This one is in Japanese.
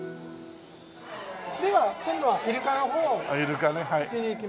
では今度はイルカの方を見に行きます。